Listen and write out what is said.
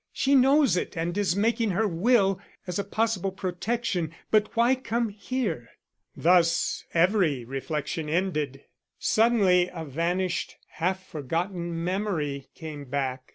"She knows it and is making her will, as a possible protection. But why come here?" Thus every reflection ended. Suddenly a vanished, half forgotten memory came back.